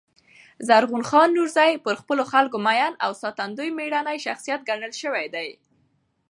زرغون خان نورزي پر خپلو خلکو مین او ساتندوی مېړنی شخصیت ګڼل سوی دﺉ.